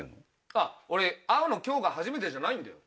あっ俺会うの今日が初めてじゃないんだよ。